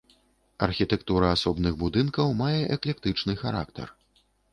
Архітэктура асобных будынкаў мае эклектычны характар.